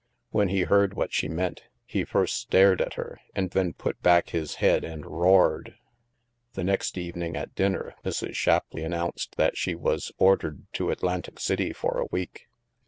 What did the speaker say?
When he heard what she meant, he first stared at her and then put back his head and roared. The next evening at dinner, Mrs. Shapleigh an nounced that she was ordered to Atlantic City for a week.